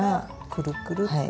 くるくるっと。